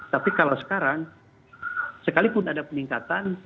tapi kalau sekarang sekalipun ada peningkatan